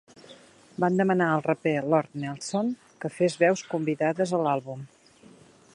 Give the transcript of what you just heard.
Van demanar al raper Lord Nelson que fes veus convidades a l'àlbum.